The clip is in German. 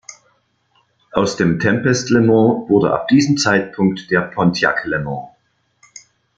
Aus dem Tempest Le Mans wurde ab diesem Zeitpunkt der Pontiac Le Mans.